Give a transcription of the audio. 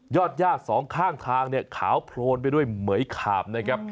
ยอดย่ากสองข้างทางขาวโพลนไปด้วยเหมือยขาบนะครับ